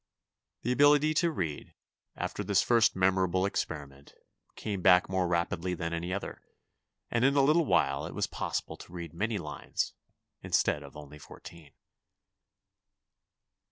The ability to read, after this first memorable experiment, came back more rapidly than any other, and in a little while it was possible to read many lines instead of only fourteen.